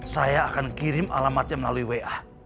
saya akan kirim alamatnya melalui wa